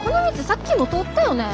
さっきも通ったよね？